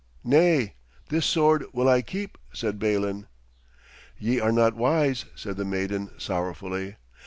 'Nay, this sword will I keep,' said Balin. 'Ye are not wise,' said the maiden sorrowfully.